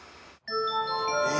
え！？